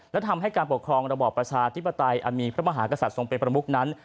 และทำให้การปกครองระบอบประชาธิปไตยอันมีพระมหากษัตริย์ทรงเป็นประมุกนั้น